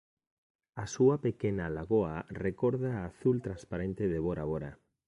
A súa pequena lagoa recorda a azul transparente de Bora Bora.